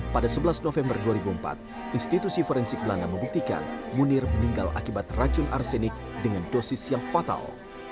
pada sebelas november dua ribu empat institusi forensik belanda membuktikan munir meninggal akibat racun arsenik dengan dosis yang fatal